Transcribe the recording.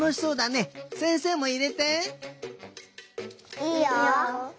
いいよ。